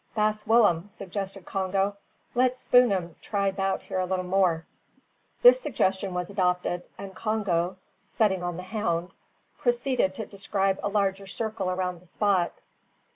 "Baas Willem," suggested Congo, "let Spoor'em try 'bout here little more." This suggestion was adopted, and Congo, setting on the hound, proceeded to describe a larger circle around the spot.